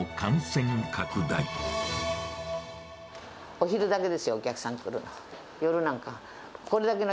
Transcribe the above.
お昼だけですよ、お客さん来るの。